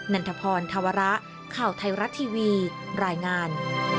ันทพรธวระข่าวไทยรัฐทีวีรายงาน